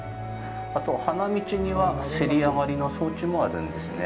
あと、花道には競り上がりの装置もあるんですね。